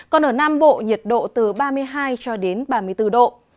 còn ở nam bộ nhiệt độ từ ba mươi hai cho đến ba mươi bốn độ